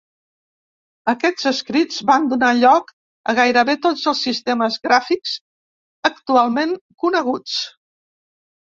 Aquests escrits van donar lloc a gairebé tots els sistemes gràfics actualment coneguts.